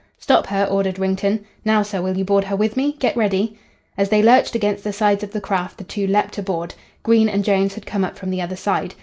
"Stop her," ordered Wrington. "Now, sir, will you board her with me? Get ready." As they lurched against the sides of the craft the two leapt aboard. Green and Jones had come up from the other side.